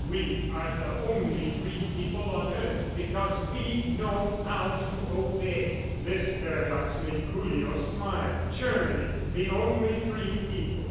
... We are the only free people on earth because we know how to obey." This paradox made Julio smile. Germany the only free people!